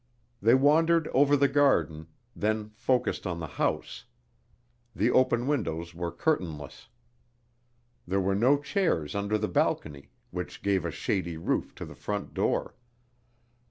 They wandered over the garden, then focussed on the house. The open windows were curtainless. There were no chairs under the balcony which gave a shady roof to the front door.